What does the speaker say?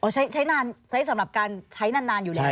ใช้สำหรับการใช้นานอยู่แล้ว